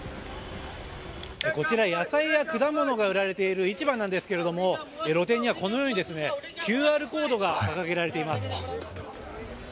こちら野菜や果物が売られている市場なんですが露店にはこのようにＱＲコードが掲げられています。